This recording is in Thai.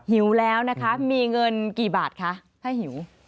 หิวแล้วนะคะมีเงินกี่บาทคะถ้าหิว